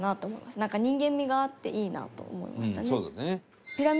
なんか人間味があっていいなと思いましたね。